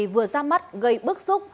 vừa ra mắt gây bức xúc